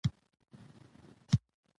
اداري اقدام باید د ثبات اصل مراعت کړي.